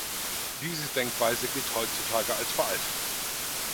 Diese Denkweise gilt heutzutage als veraltet.